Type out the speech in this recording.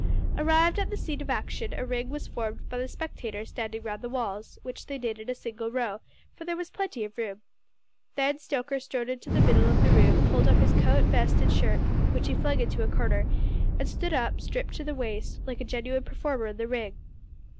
Arrived at the scene of action, a ring was formed by the spectators standing round the walls, which they did in a single row, for there was plenty of room. Then Stoker strode into the middle of the room, pulled off his coat, vest, and shirt, which he flung into a corner, and stood up, stripped to the waist, like a genuine performer in the ring.